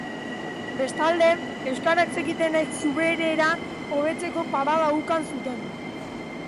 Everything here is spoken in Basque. Bestalde, euskaraz zekitenek zuberera hobetzeko parada ukan zuten.